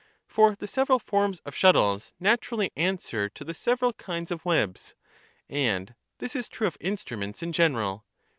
For the several forms of shuttles naturally answer to the several kinds of webs ; and this is true of instruments in general.